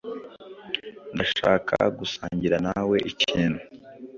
Ndashaka gusangira nawe ikintu.